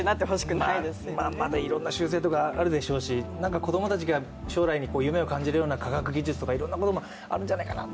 まだいろんな修正とか、あるでしょうし、何か子供たちが将来に夢を感じるような科学技術とかいろんなこともあるんじゃないかな。